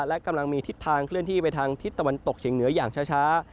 และกำลังมีทิศทางเคลื่อนที่ไปทางทิศตะวันตกเฉียงเหนืออย่างช้า